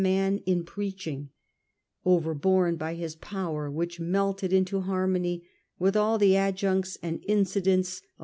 n in preaching — overborne by his power, which melted into harmony with all the adjuncts and incidents of 1839 41.